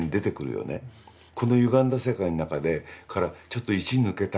このゆがんだ世界の中からちょっといち抜けたい。